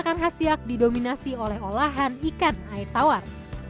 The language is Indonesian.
masakan khas siak didominasi oleh olahan ikan air tawar